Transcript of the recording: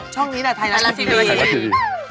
ช่องนี้แหละไทยรัสทีบี